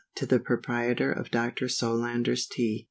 To the Proprietor of Dr. SOLANDER'S TEA.